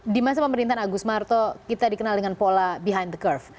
di masa pemerintahan agus marto kita dikenal dengan pola behind the curve